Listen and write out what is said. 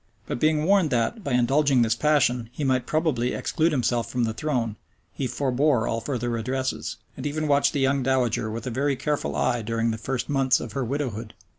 But being warned that, by indulging this passion, he might probably exclude himself from the throne he forbore all further addresses; and even watched the young dowager with a very careful eye during the first months of her widowhood.